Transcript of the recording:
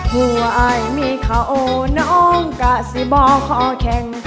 หัวอายมีเขาโอน้องกะสิบอกขอแข่ง